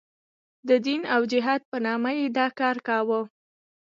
د دین او جهاد په نامه یې دا کار کاوه.